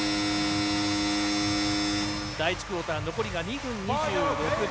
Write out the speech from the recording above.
第１クオーター残りが２分２２秒。